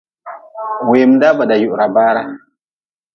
Wemdaa ba da yuhra baara.